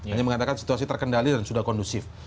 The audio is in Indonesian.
hanya mengatakan situasi terkendali dan sudah kondusif